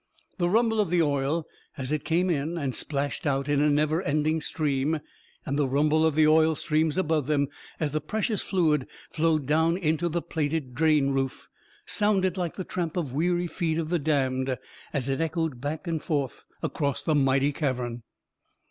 The rumble of the oil as it came in and splashed out in a never ending stream, and the rumble of the oil streams above them as the precious fluid flowed down into the plated drain roof, sounded like the tramp of the weary feet of the damned, as it echoed back and forth across the mighty cavern.